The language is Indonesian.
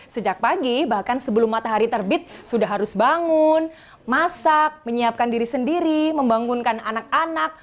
sejak pagi bahkan sebelum matahari terbit sudah harus bangun masak menyiapkan diri sendiri membangunkan anak anak